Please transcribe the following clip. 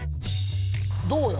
どうや？